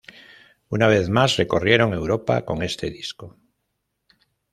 Una vez más, recorrieron Europa con este disco.